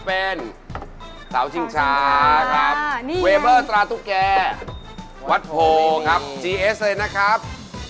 ตำแหน่งที่๔ก็ได้ครับ